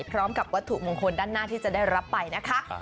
พร้อมกับวัตถุมงคลด้านหน้าที่จะได้รับไปนะคะ